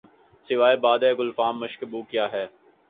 سوائے بادۂ گلفام مشک بو کیا ہے